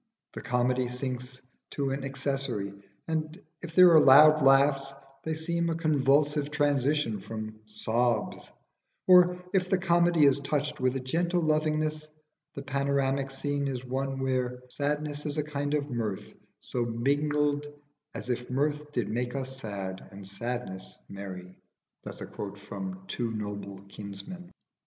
The comedy sinks to an accessory, and if there are loud laughs they seem a convulsive transition from sobs; or if the comedy is touched with a gentle lovingness, the panoramic scene is one where "Sadness is a kind of mirth So mingled as if mirth did make us sad And sadness merry." [Footnote 1: Two Noble Kinsmen.